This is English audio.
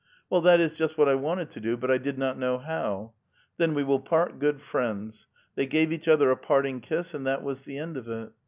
" Well, that is just what I wanted to do, but I did not know how." "Then we will part good friends?" They gave each other a parting kiss, and that was the end of it.